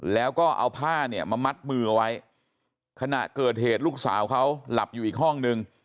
แล้วก็เอาผ้าเนี่ยมามัดมือเอาไว้ขณะเกิดเหตุลูกสาวเขาหลับอยู่อีกห้องนึง